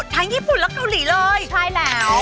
ทั้งญี่ปุ่นแล้วก็เกาหลีเลยใช่แล้ว